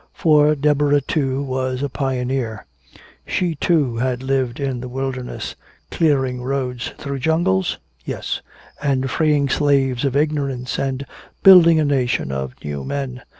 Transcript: For Deborah, too, was a pioneer. She, too, had lived in the wilderness. Clearing roads through jungles? Yes. And freeing slaves of ignorance and building a nation of new men.